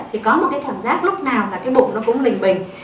thì có một cái cảm giác lúc nào là cái bụng nó cũng lình bình